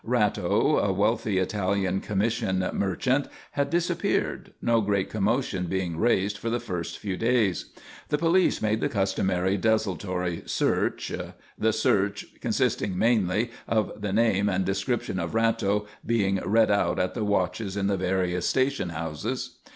Ratto, a wealthy Italian commission merchant, had disappeared, no great commotion being raised for the first few days. The police made the customary desultory "search" the "search" consisting mainly of the name and description of Ratto being read out at the watches in the various station houses.